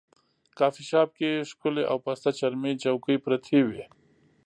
کافي شاپ کې ښکلې او پسته چرمي چوکۍ پرتې وې.